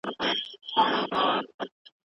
استاد د مقالې ځیني برخي حذف کړې.